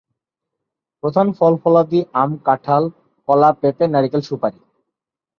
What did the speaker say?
প্রধান ফল-ফলাদি আম, কাঁঠাল, কলা, পেঁপে, নারিকেল, সুপারি।